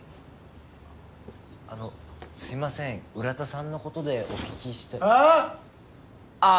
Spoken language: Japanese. あのすいません浦田さんの事でお聞きしたい。ああ？